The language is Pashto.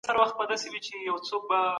د ولور اندازه پخوا معلومه وه.